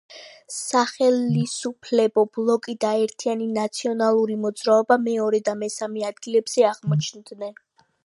სახელისუფლებო ბლოკი და ერთიანი ნაციონალური მოძრაობა მეორე და მესამე ადგილებზე აღმოჩნდნენ.